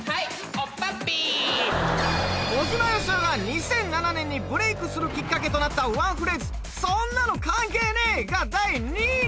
おっぱっぴー小島よしおが２００７年にブレイクするきっかけとなったワンフレーズ「そんなの関係ねえ」が第２位に。